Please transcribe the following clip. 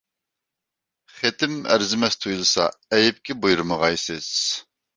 خېتىم ئەرزىمەس تۇيۇلسا ئەيىبكە بۇيرۇمىغايسىز.